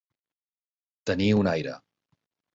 Tenir un aire.